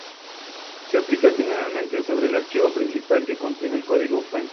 Se aplica generalmente sobre el archivo principal que contiene el código fuente.